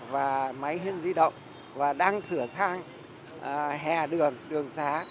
và máy hên di động và đang sửa sang hè đường đường xá